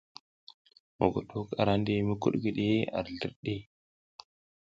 Mogodok a ra ndi mikudikudi ar zlirɗi.